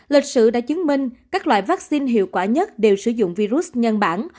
lịch sử đã chứng minh các loại vaccine hiệu quả nhất đều sử dụng virus nhân bản